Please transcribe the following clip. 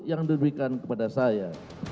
yang diberikan kepada saya